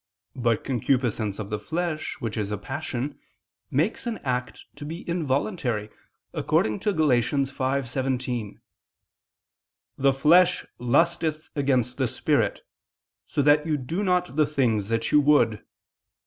But concupiscence of the flesh, which is a passion, makes an act to be involuntary, according to Gal. 5:17: "The flesh lusteth against the spirit ... so that you do not the things that you would."